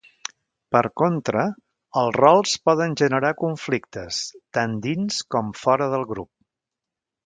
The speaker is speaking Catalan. Per contra, els rols poden generar conflictes, tant dins com fora del grup.